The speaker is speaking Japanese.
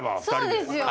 そうですよ。